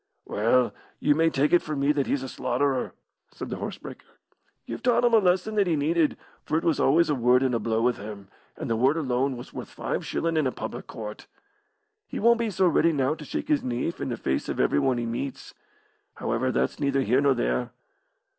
"Well, you may take it from me that he's a slaughterer," said the horse breaker. "You've taught him a lesson that he needed, for it was always a word and a blow with him, and the word alone was worth five shillin' in a public court. He won't be so ready now to shake his nief in the face of everyone he meets. However, that's neither here nor there."